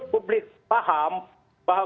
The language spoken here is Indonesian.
publik paham bahwa